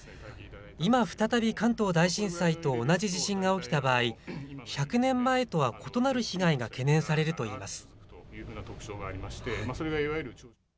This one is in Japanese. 今、再び関東大震災と同じ地震が起きた場合、１００年前とは異なる被害が懸念されるといいます。